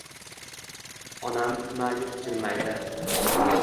Onam ma’yus jilmaydi.